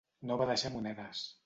No va deixar monedes.